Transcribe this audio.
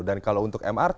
dan kalau untuk mrt